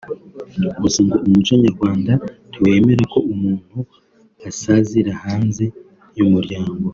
Gusa ngo umuco nyarwanda ntiwemera ko umuntu asazira hanze y’ umuryango